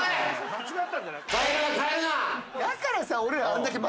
だからさ。